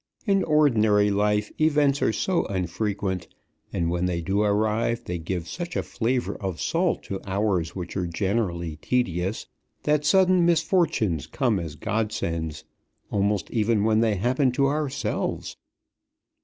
In ordinary life events are so unfrequent, and when they do arrive they give such a flavour of salt to hours which are generally tedious, that sudden misfortunes come as godsends, almost even when they happen to ourselves.